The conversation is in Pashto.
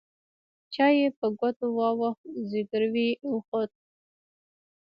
چای يې په ګوتو واوښت زګيروی يې وخوت.